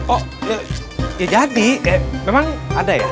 oh ya jadi memang ada ya